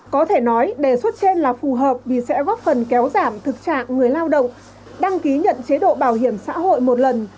có thể nói đề xuất trên là phù hợp vì sẽ góp phần kéo giảm thực trạng người lao động đăng ký nhận chế độ bảo hiểm xã hội một lần